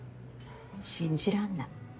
信じらんない。